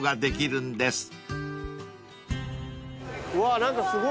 うわ何かすごい。